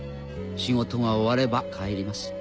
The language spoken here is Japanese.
仕事が終われば帰ります。